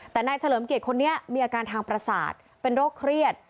แต่นายเฉลิมเกียรติคนนี้มีอาการทางประสาทเป็นโรคเครียด